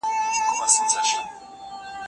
له خپل استاد سره په ډېر ادب خبري کوه.